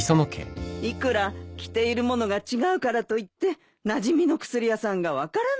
いくら着ている物が違うからといってなじみの薬屋さんが分からないなんて。